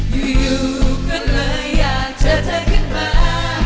อยู่ก็เลยอยากเจอเธอขึ้นมา